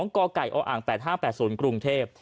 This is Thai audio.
กไก่ออ๘๕๘๐กรุงเทพฯ